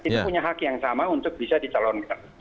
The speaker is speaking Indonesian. itu punya hak yang sama untuk bisa dicalonkan